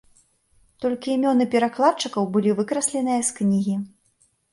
Толькі імёны перакладчыкаў былі выкрасленыя з кнігі.